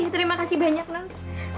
terima kasih banyak nont